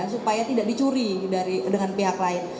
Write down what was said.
supaya tidak dicuri dengan pihak lain